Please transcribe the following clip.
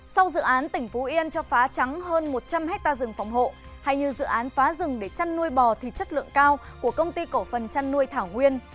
sau dự án tỉnh phú yên cho phá trắng hơn một trăm linh hectare rừng phòng hộ hay như dự án phá rừng để chăn nuôi bò thịt chất lượng cao của công ty cổ phần chăn nuôi thảo nguyên